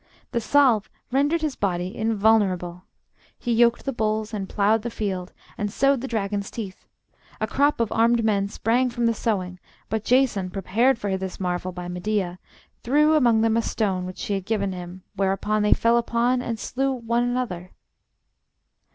The salve rendered his body invulnerable. He yoked the bulls, and ploughed the field, and sowed the dragon's teeth. A crop of armed men sprang from the sowing, but Jason, prepared for this marvel by Medea, threw among them a stone which she had given him, whereupon they fell upon and slew one another.